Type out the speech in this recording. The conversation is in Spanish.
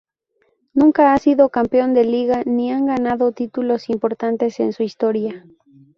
Nuca ha sido campeón de liga ni han ganado títulos importantes en su historia.